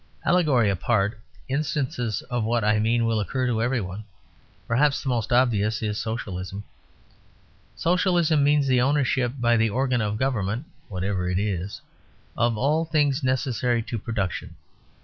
Allegory apart, instances of what I mean will occur to every one; perhaps the most obvious is Socialism. Socialism means the ownership by the organ of government (whatever it is) of all things necessary to production.